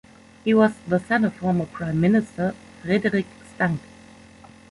He was the son of former Prime Minister Frederik Stang.